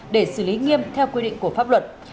để xử lý nghiêm theo quy định của pháp luật